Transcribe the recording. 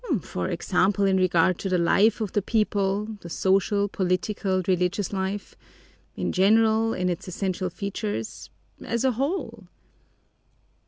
"For example, in regard to the life of the people the social, political, religious life in general, in its essential features as a whole."